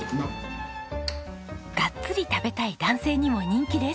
がっつり食べたい男性にも人気です！